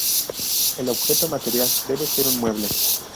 El objeto material debe ser un mueble.